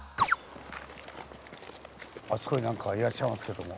あそこに何かいらっしゃいますけども。